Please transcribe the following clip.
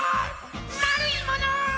まるいもの！